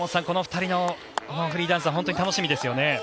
この２人のフリーダンス楽しみですよね。